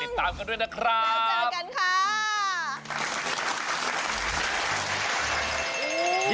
ติดตามกันด้วยนะครับ